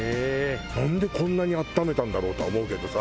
なんでこんなに温めたんだろうとは思うけどさ。